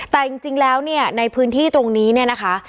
แต่จริงแล้วเนี่ยในพื้นที่ตรงนี้เนี่ยนะคะ